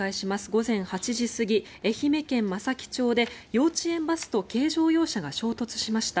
午前８時過ぎ愛媛県松前町で幼稚園バスと軽乗用車が衝突しました。